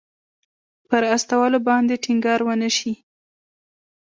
پر استولو باندې ټینګار ونه شي.